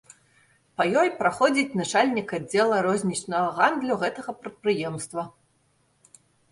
Па ёй праходзіць начальнік аддзела рознічнага гандлю гэтага прадпрыемства.